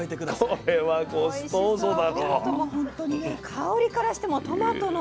香りからしてももうトマトの香りが。